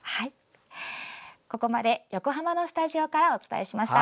ここまで横浜のスタジオからお伝えしました。